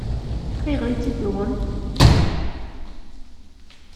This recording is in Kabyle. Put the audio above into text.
Ayɣer i tt-id-tuɣemt?